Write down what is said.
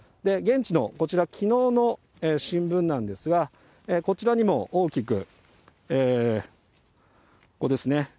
現地のこちら、きのうの新聞なんですが、こちらにも大きく、ここですね。